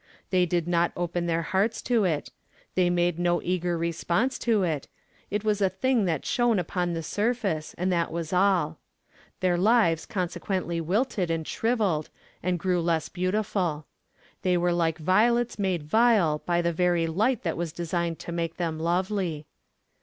They did not open their hearts to it; they made no eager response to it; it was a thing that shone upon the surface, and that was all. Their lives consequently wilted and shriveled and grew less beautiful. They were like violets made vile by the very light that was designed to make them lovely.